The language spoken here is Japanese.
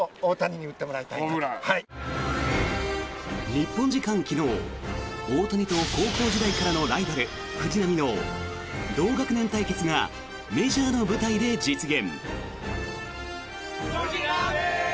日本時間昨日大谷と高校時代からのライバル藤浪の同学年対決がメジャーの舞台で実現。